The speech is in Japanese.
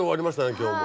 今日も。